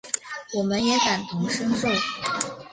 我们也感同身受